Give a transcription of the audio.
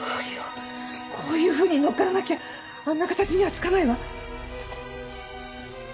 こういうふうに乗っからなきゃあんな形にはつかないわ。